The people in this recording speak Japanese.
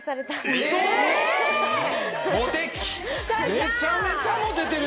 めちゃめちゃモテてるやん。